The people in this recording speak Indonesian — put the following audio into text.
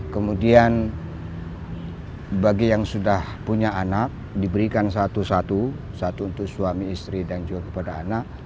kemudian bagi yang sudah punya anak diberikan satu satu untuk suami istri dan juga kepada anak